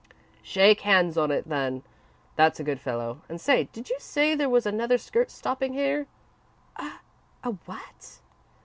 "Shake hands on it, then; that's a good fellow. And say, did you say there was another skirt stopping here?" "A a what?"